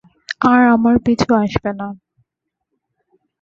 আর আমার পিছু আসবে না।